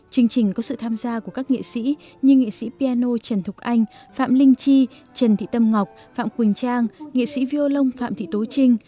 chương trình có sự tham gia của các nghệ sĩ như nghệ sĩ piano trần thục anh phạm linh chi trần thị tâm ngọc phạm quỳnh trang nghệ sĩ violon phạm thị tố trinh